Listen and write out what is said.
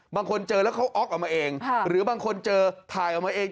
บางคนเจอแล้วเขาอ๊อกออกมาเองหรือบางคนเจอถ่ายออกมาเอง